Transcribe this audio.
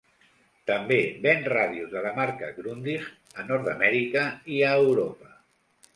També ven ràdios de la marca Grundig a Nord-Amèrica i a Europa.